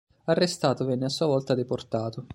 Arrestato, venne a sua volta deportato.